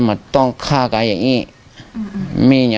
เขามอบตัวดีนะ